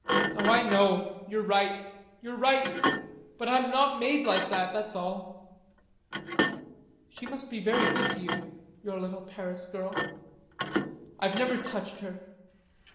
"Oh, I know, you're right. You're right. But I'm not made like that, that's all." "She must be very good to you, your little Paris girl." "I've never touched her."